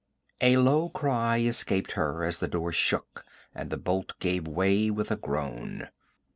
A low cry escaped her as the door shook and a bolt gave way with a groan.